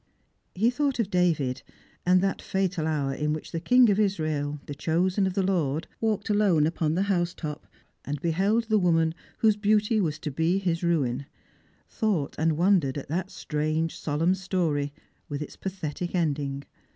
He thought of David, and that fatal hour in which the King of Israel, the chosen of the Lord, walked alone up on the house top, and beheld the woman whose beauty was to be his ruin ; thought and wondered at that strange solemn story with its pathetic ending.